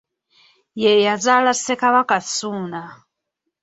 Ye yazaala Ssekabaka Ssuuna .